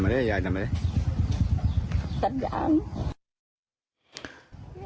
ทำไมยายทำไมตัดอย่าง